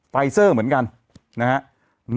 ไฟเซอร์เหมือนกันนะครับ